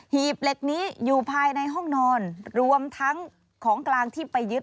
ีบเหล็กนี้อยู่ภายในห้องนอนรวมทั้งของกลางที่ไปยึด